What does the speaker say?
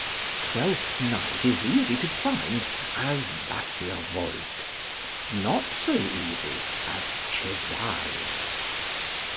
Twelfth Night is easy to find as Was Ihr Wollt, not so easy as Cesario.